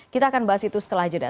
kita akan bahas itu setelah jeda